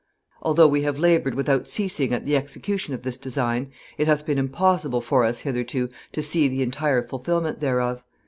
Although we have labored without ceasing at the execution of this design, it hath been impossible for us hitherto to see the entire fulfilment thereof.